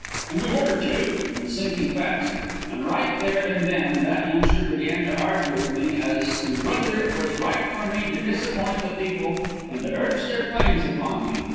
And we were, too, and sinking fast. And right there and then that youngster began to argue with me as to whether it was right for me to disappoint the people, and to urge their claims upon me.